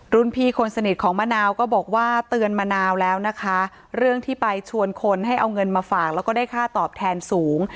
พี่คนสนิทของมะนาวก็บอกว่าเตือนมะนาวแล้วนะคะเรื่องที่ไปชวนคนให้เอาเงินมาฝากแล้วก็ได้ค่าตอบแทนสูง